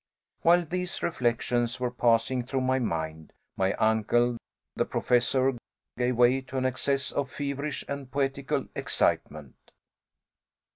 While these reflections were passing through my mind, my uncle, the Professor, gave way to an access of feverish and poetical excitement.